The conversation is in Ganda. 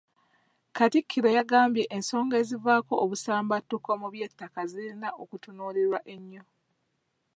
Katikkiro yagambye ensonga ezivaako obusambattuko mu by'ettaka zirina okutunuulirwa ennyo.